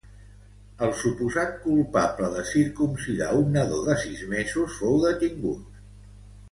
El suposat culpable de circumcidar un nadó de sis mesos fou detingut.